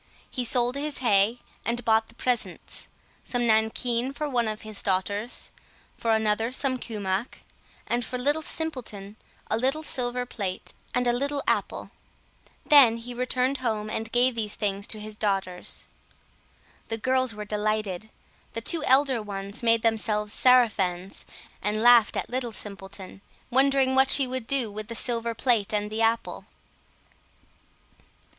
He sold his hay, and bought the presents: some nankeen for one of his daughters, for another some kumach, and for Little Simpleton a little silver plate and a little apple. Then he returned home and gave these things to his daughters. The girls were delighted; the two elder ones made themselves sarafans, and laughed at Little Simpleton, wondering what she would do with the silver plate and the apple.